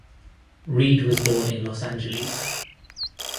Reid was born in Los Angeles.